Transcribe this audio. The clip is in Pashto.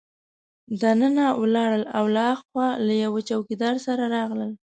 دننه ولاړل او له هاخوا له یوه چوکیدار سره راغلل.